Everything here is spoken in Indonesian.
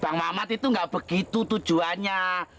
bang mamat itu nggak begitu tujuannya